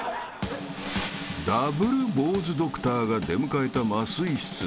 ［Ｗボウズドクターが出迎えた麻酔室］